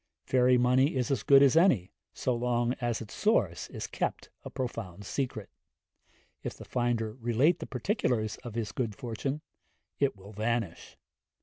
Fairy money is as good as any, so long as its source is kept a profound secret; if the finder relate the particulars of his good fortune, it will vanish.